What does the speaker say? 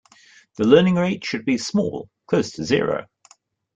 The learning rate should be small, close to zero.